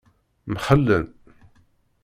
Mxellen.